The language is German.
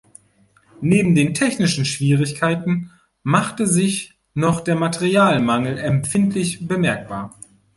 Neben den technischen Schwierigkeiten machte sich noch der Materialmangel empfindlich bemerkbar.